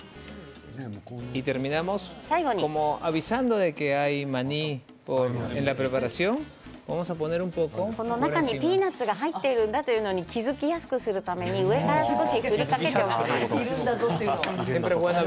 最後にこの中にピーナツが入っているんだというのに気付きやすくするために上から少し振りかけておきます。